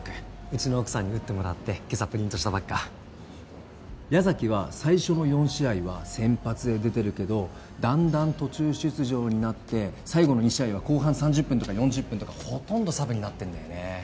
うちの奥さんに打ってもらって今朝プリントしたばっか矢崎は最初の４試合は先発で出てるけどだんだん途中出場になって最後の２試合は後半３０分とか４０分とかほとんどサブになってんだよね